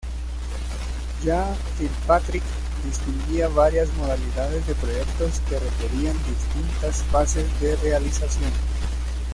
Ya Kilpatrick distinguía varias modalidades de proyectos que requerían distintas fases de realización.